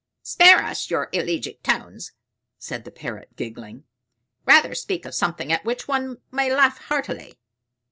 "Spare us your elegiac tones," said the Parrot giggling. "Rather speak of something at which one may laugh heartily.